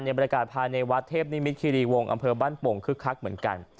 บรรยากาศภายในวัดเทพนิมิตคิรีวงศ์อำเภอบ้านโป่งคึกคักเหมือนกัน